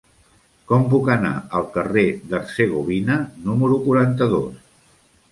Com puc anar al carrer d'Hercegovina número quaranta-dos?